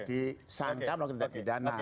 disangka melakukan pidana